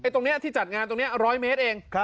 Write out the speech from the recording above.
ตรงนี้ที่จัดงานตรงนี้๑๐๐เมตรเอง